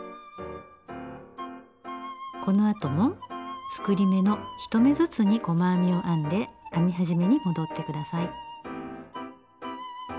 このあとも作り目の１目ずつに細編みを編んで編み始めに戻ってください。